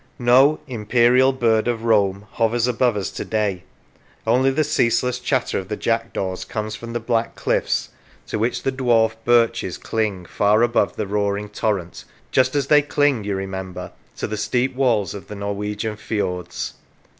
No " imperial bird of Rome " hovers above us to day; only the ceaseless chatter of the jackdaws comes from the black cliffs to which the dwarf birches Lancashire cling, far above the roaring torrent, just as they cling, you remember, to the steep walls of the Norwegian fiords.